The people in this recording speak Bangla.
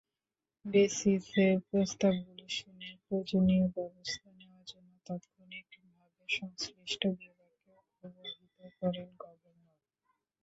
বেসিসের প্রস্তাবগুলো শুনে প্রয়োজনীয় ব্যবস্থা নেওয়ার জন্য তাৎক্ষণিকভাবে সংশ্লিষ্ট বিভাগকে অবহিত করেন গভর্নর।